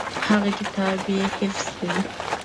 هغه کتاب یې حفظ کړ.